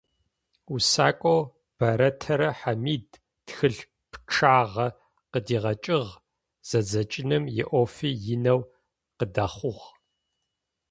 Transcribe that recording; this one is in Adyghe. Усакӏоу Бэрэтэрэ Хьамид тхылъ пчъагъэ къыдигъэкӏыгъ, зэдзэкӏыным иӏофи инэу къыдэхъугъ.